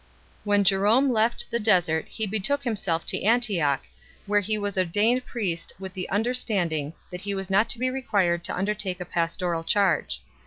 When Jerome left the desert he betook himself to Antioch, where he was ordained priest with the under standing that he was not to be required to undertake a pastoral charge 4